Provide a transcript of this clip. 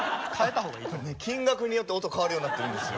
金額によって音変わるようになってるんですよ。